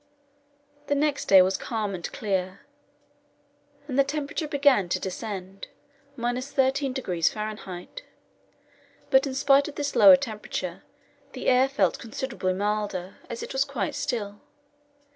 The next day was calm and clear, and the temperature began to descend, 13° F. But in spite of this lower temperature the air felt considerably milder, as it was quite still.